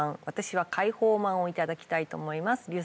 私は海宝まんをいただきたいと思います。